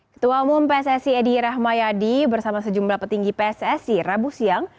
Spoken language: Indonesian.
ketua umum pssi edi rahmayadi bersama sejumlah petinggi pssi rabu siang